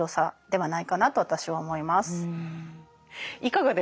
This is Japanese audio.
はい。